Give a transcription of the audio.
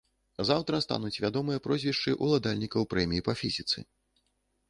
Заўтра стануць вядомыя прозвішчы ўладальнікаў прэміі па фізіцы.